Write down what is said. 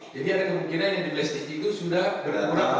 jadi ada kemungkinan yang di flash disk itu sudah berkurang